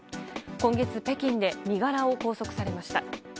今月、北京で身柄を拘束されました。